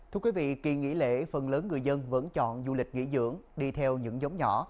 thưa quý vị kỳ nghỉ lễ phần lớn người dân vẫn chọn du lịch nghỉ dưỡng đi theo những giống nhỏ